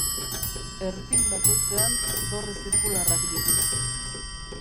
Erpin bakoitzean dorre zirkularrak ditu.